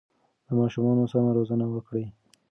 د ماشومانو سمه روزنه وکړئ.